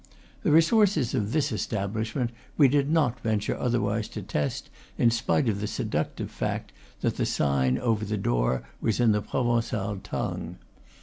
The resources of this establishment we did not venture otherwise to test, in spite of the seductive fact that the sign over the door was in the Provencal tongue.